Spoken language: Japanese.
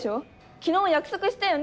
昨日約束したよね？